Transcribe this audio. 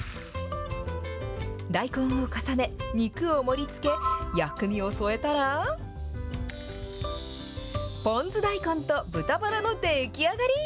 大根を重ね、肉を盛りつけ、薬味を添えたら、ポン酢大根と豚ばらの出来上がり。